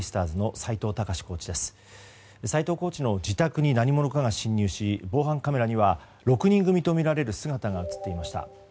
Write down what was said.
斎藤コーチの自宅に何者かが侵入し防犯カメラには６人組とみられる姿が映っていました。